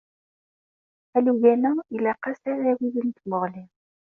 Alugen-a ilaq-as uɛawed n tmuɣli.